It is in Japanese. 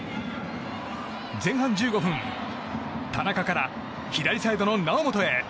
前半１５分田中から、左サイドの猶本へ。